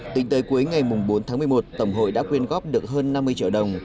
tính tới cuối ngày bốn tháng một mươi một tổng hội đã quyên góp được hơn năm mươi triệu đồng